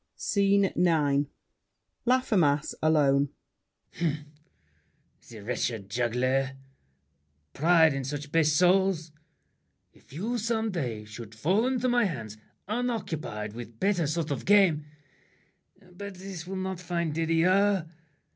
SCENE IX LAFFEMAS (alone). Humph! The wretched juggler! Pride in such base souls! If you some day should fall into my hands Unoccupied with better sort of game— But this will not find Didier!